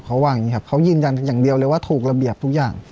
เขาว่าอย่างนี้ครับเขายืนยันอย่างเดียวเลยว่าถูกระเบียบทุกอย่าง